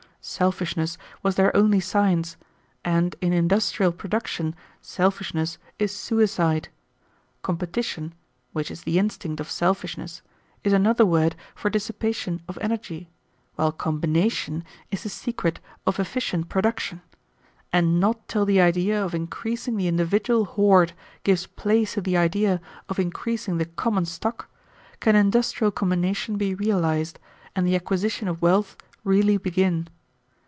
Selfishness was their only science, and in industrial production selfishness is suicide. Competition, which is the instinct of selfishness, is another word for dissipation of energy, while combination is the secret of efficient production; and not till the idea of increasing the individual hoard gives place to the idea of increasing the common stock can industrial combination be realized, and the acquisition of wealth really begin.